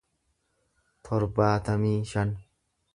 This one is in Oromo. torbaatamii shan